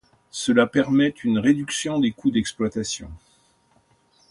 Cela permet une réduction des coûts d’exploitation.